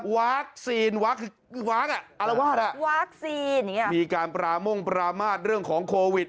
วาคซีนวาคอ่ะอรวาดอ่ะวาคซีนมีการปราม่วงปรามาศเรื่องของโควิด